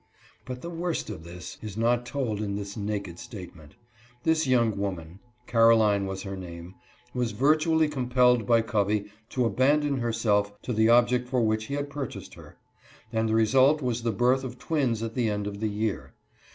But the worst of this is not told in this naked statement. This young woman (Caroline was her name) was virtually compelled by Covey to abandon herself to the object for which he had purchased her ; and the result was the birth of twins at the end of the year.